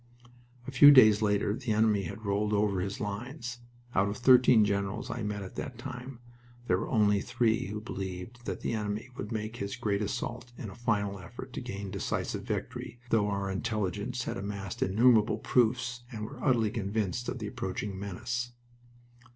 A few days later the enemy had rolled over his lines... Out of thirteen generals I met at that time, there were only three who believed that the enemy would make his great assault in a final effort to gain decisive victory, though our Intelligence had amassed innumerable proofs and were utterly convinced of the approaching menace.